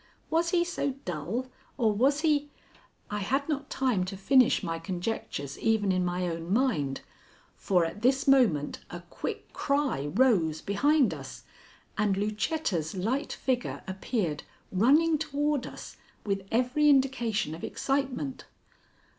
Was he so dull, or was he I had not time to finish my conjectures even in my own mind, for at this moment a quick cry rose behind us, and Lucetta's light figure appeared running toward us with every indication of excitement.